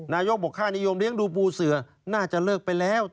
นายกบอกค่านิยมเลี้ยงดูปูเสือน่าจะเลิกไปแล้ว